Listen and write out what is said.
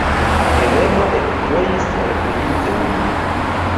Heleno ekĝojis, rekoninte lin.